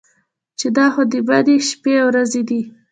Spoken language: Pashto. چې دا خو د مني شپې او ورځې دي.